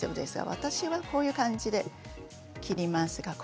私はこういう感じで切ります。